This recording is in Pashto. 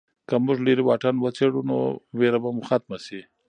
که موږ لیرې واټن وڅېړو نو ویره به مو ختمه شي.